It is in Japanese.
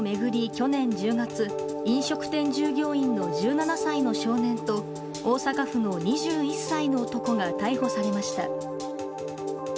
去年１０月、飲食店従業員の１７歳の少年と、大阪府の２１歳の男が逮捕されました。